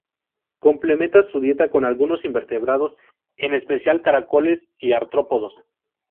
Complementa su dieta con algunos invertebrados, en especial, caracoles o artrópodos.